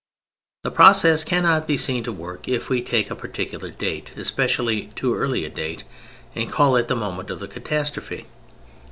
The process cannot be seen at work if we take a particular date—especially too early a date—and call it the moment of the catastrophe.